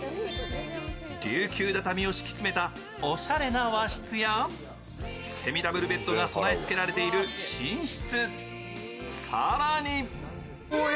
琉球畳を敷き詰めたおしゃれな和室やセミダブルベッドが備えつけられている寝室。